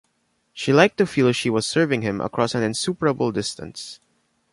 She liked to feel she was serving him across an insuperable distance.